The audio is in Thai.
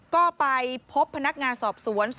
ก็ไปพบพนักงานสอบสวน